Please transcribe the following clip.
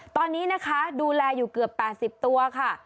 ตอนนี้นะคะดูแลอยู่เกือบ๘๐ตัวค่ะ